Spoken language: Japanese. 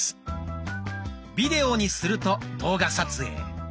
「ビデオ」にすると動画撮影。